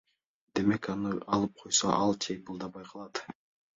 Демек аны алып койсо ал чыйпылдабай калат.